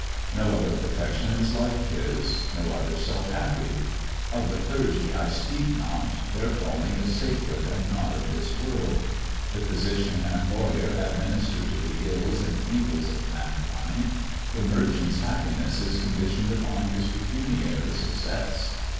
No other Profession is like his ; no other so Happy. Of the Clergy, I speak not, their Calling is sacred and not of this World. The Physician & Lawyer administer to the ills and evils of Mankind. The Merchant's happiness is conditioned upon his pecuniary Success.